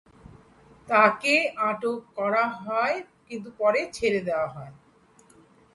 তাকে আটক করা হয়, কিন্তু পরে ছেড়ে দেওয়া হয়।